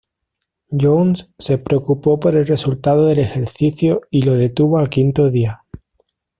Jones se preocupó por el resultado del ejercicio y lo detuvo al quinto día.